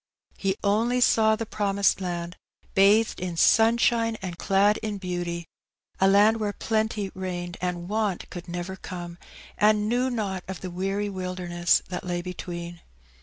He only saw the promised land, bathed in sunshine and clad in beauty, a land where plenty reigned and want could never come, and knew not of the weary wilderness that lay between.